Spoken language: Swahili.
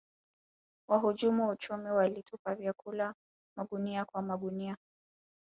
wahujumu uchumi walitupa vyakula magunia kwa magunia